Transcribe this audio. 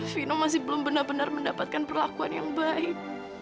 fino masih belum benar benar mendapatkan perlakuan yang baik